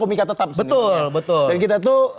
komika tetap betul dan kita tuh